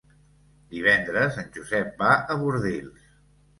Divendres en Josep va a Bordils.